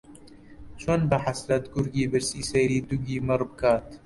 چۆن بە حەسرەت گورگی برسی سەیری دووگی مەڕ بکا